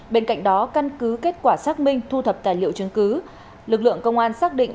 bên cạnh đó căn cứ kết quả xác minh thu thập tài liệu chứng cứ lực lượng công an xác định